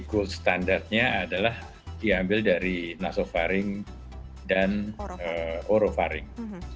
good standardnya adalah diambil dari nasofaring dan orofaring